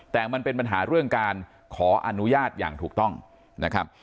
แต่มันเป็นปัญหาเรื่องการขออนุญาตอย่างถูกต้องนะครับ